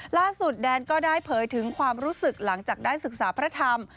แดนก็ได้เผยถึงความรู้สึกหลังจากได้ศึกษาพระธรรม